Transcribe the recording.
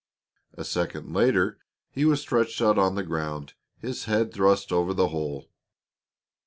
A second later he was stretched out on the ground, his head thrust over the hole.